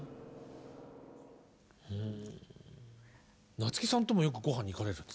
夏木さんともよくごはんに行かれるそうですね。